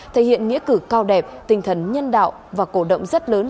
thể hiện nghĩa cử cao đẹp tinh thần nhân đạo và cổ động rất lớn